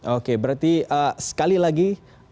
oke berarti sekali lagi